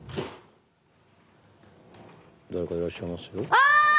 ああ！